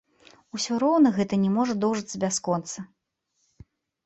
Усё роўна гэта не можа доўжыцца бясконца.